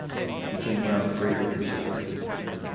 He came round greatly concerned.